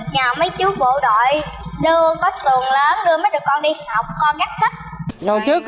nhờ mấy chú bộ đội đưa có xuồng lớn đưa mấy đứa con đi học con gắt hết